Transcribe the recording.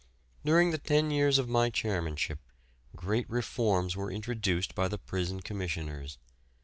During the ten years of my chairmanship, great reforms were introduced by the Prison Commissioners.